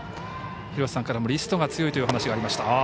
廣瀬さんからもリストが強いという話がありました。